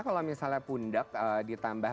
kalau misalnya pundak ditambah